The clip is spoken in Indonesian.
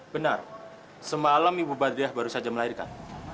benar semalam ibu badriah baru saja melahirkan